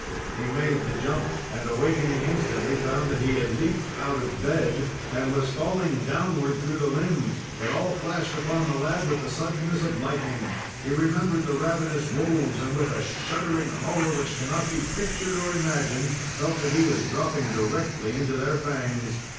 He made the jump, and awakening instantly, found he had leaped "out of bed," and was falling downward through the limbs. It all flashed upon the lad with the suddenness of lightning. He remembered the ravenous wolves, and, with a shuddering horror which cannot be pictured or imagined, felt that he was dropping directly into their fangs.